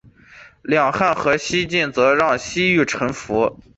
两汉和西晋则让西域臣服。